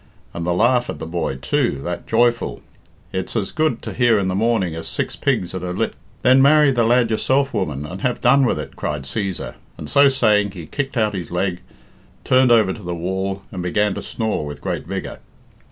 And the laugh at the boy, too that joyful, it's as good to hear in the morning as six pigs at a lit " "Then marry the lad yourself, woman, and have done with it," cried Cæsar, and, so saying, he kicked out his leg, turned over to the wall, and began to snore with great vigour.